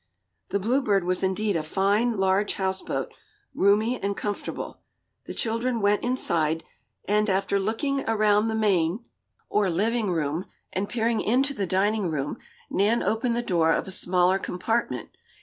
The Bluebird was indeed a fine, large houseboat, roomy and comfortable. The children went inside, and, after looking around the main, or living room, and peering into the dining room, Nan opened the door of a smaller compartment.